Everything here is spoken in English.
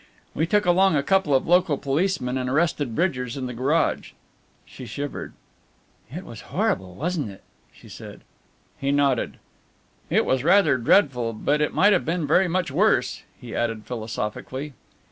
We took along a couple of local policemen and arrested Bridgers in the garage." She shivered. "It was horrible, wasn't it?" she said. He nodded. "It was rather dreadful, but it might have been very much worse," he added philosophically.